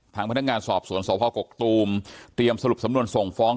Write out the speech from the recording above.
ทางพนักงานสอบสวนสพกกตูมเตรียมสรุปสำนวนส่งฟ้อง